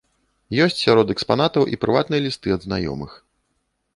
Ёсць сярод экспанатаў і прыватныя лісты ад знаёмых.